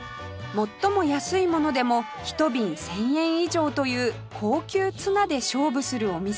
最も安いものでも１瓶１０００円以上という高級ツナで勝負するお店